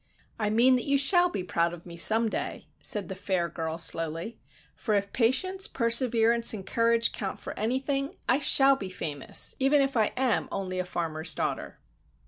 "I mean that you shall be proud of me some day," said the fair girl, slowly; "for if patience, perseverance and courage count for anything, I shall be famous, even if I am only a farmer's daughter!"